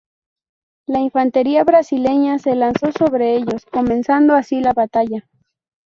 La infantería brasileña se lanzó sobre ellos, comenzando así la batalla.